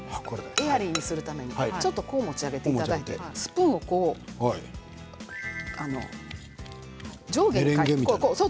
エアリーにするために持ち上げていただいてスプーンを上下に。